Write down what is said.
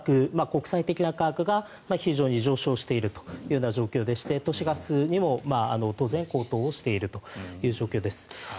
国際的な価格が非常に上昇している状況でして都市ガスも当然高騰しているという状況です。